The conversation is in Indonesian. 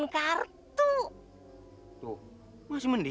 kamu tunggu dulu di sini